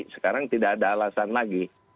sekarang tidak ada alasan lagi